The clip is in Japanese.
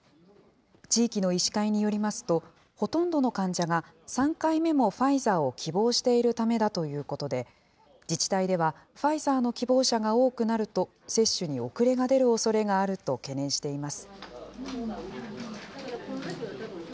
地域の医師会によりますと、ほとんどの患者が３回目もファイザーを希望しているためだということで、自治体ではファイザーの希望者が多くなると接種に遅れが出るおそれがあると懸念しています。